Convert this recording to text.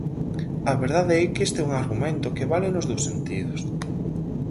A verdade é que este é un argumento que vale nos dous sentidos.